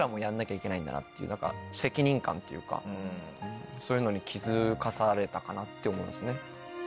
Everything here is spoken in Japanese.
んだなっていう何か責任感っていうかそういうのに気付かされたかなって思いますね。